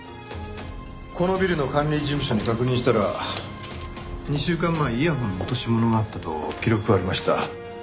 このビルの管理事務所に確認したら２週間前イヤフォンの落とし物があったと記録がありました。